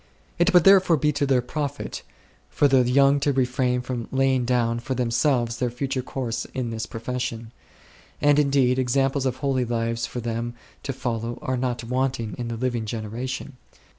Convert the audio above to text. It would therefore be to their profit, for the young to refrain from laying down « for them selves their future course in this profession ; and indeed, examples of holy lives for them to follow are not wanting in the living generation 5.